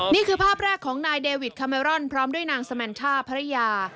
นี่คือภาพแรกของนายเดวิดคาเมรอนพร้อมด้วยนางสแมนช่าภรรยา